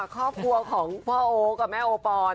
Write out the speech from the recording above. ครอบครัวของพ่อโอ๊คกับแม่โอปอน